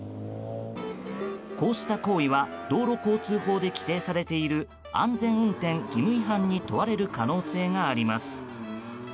こうした行為は道路交通法で規定されている安全運転義務違反に問われる可能性があります。